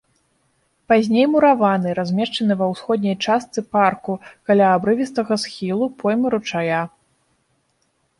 Пазней мураваны, размешчаны ва ўсходняй частцы парку каля абрывістага схілу поймы ручая.